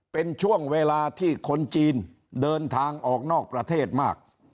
เป็นช่วงเวลาที่คนจีนเดินทางออกนอกประเทศมาก